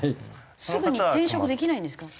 すぐに転職できないんですか？